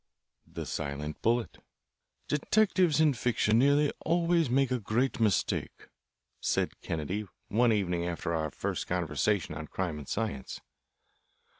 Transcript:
The Silent Bullet "Detectives in fiction nearly always make a great mistake," said Kennedy one evening after our first conversation on crime and science.